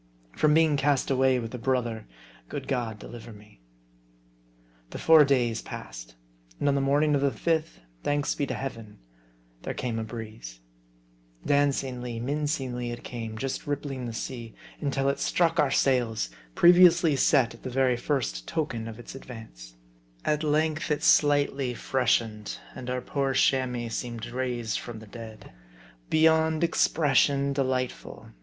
From being cast away with a brother, good G od deliver me ! The four days passed. And on the morning of the fifth, thanks be to Heaven, there came a breeze. Dancingly, mincingly it came, just rippling the sea, until it struck our sails, previously set at the very first token of its advance. At length it slightly freshened ; and our poor Chamois seemed raised from the dead. Beyond expression delightful